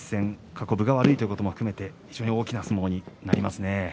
過去、分が悪いということを含めて非常に大きな相撲になりますね。